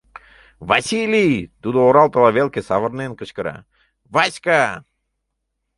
— Василий! — тудо оралтыла велке савырнен кычкыра, — Васька!